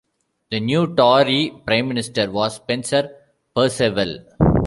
The new Tory Prime Minister was Spencer Perceval.